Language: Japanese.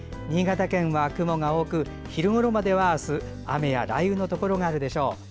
新潟県は雲が多く昼ごろまではあす、雨や雷雨のところがあるでしょう。